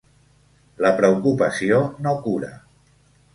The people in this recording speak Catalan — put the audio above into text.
La preocupació no cura